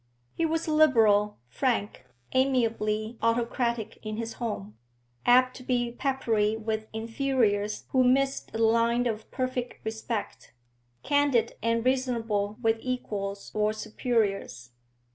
He was liberal, frank, amiably autocratic in his home, apt to be peppery with inferiors who missed the line of perfect respect, candid and reasonable with equals or superiors.